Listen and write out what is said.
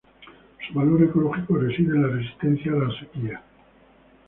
Su valor ecológico reside en la resistencia a la sequía.